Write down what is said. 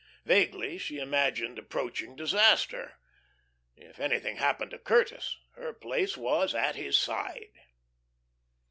Vaguely she imagined approaching disaster. If anything happened to Curtis, her place was at his side.